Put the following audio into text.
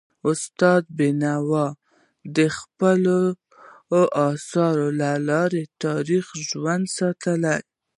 استاد بینوا د خپلو اثارو له لارې تاریخ ژوندی ساتلی.